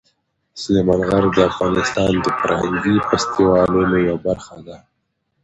سلیمان غر د افغانستان د فرهنګي فستیوالونو یوه برخه ده.